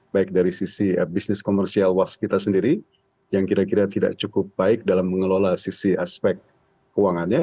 baik dari sisi bisnis komersial waskita sendiri yang kira kira tidak cukup baik dalam mengelola sisi aspek keuangannya